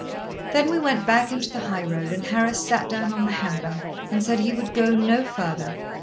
Then we went back into the high road, and Harris sat down on the hamper and said he would go no further.